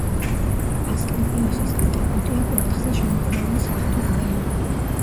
ასკლეპიოსის ატრიბუტია კვერთხზე შემოხვეული საღვთო გველი.